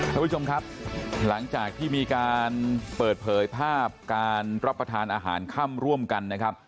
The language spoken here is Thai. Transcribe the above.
ท่านผู้ชมครับหลังจากที่มีการเปิดเผยภาพการรับประทานอาหารค่ำร่วมกันนะครับ